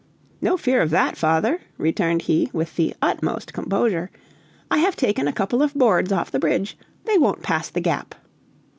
"No fear of that, father," returned he, with the utmost composure. "I have taken a couple of boards off the bridge. They won't pass the gap."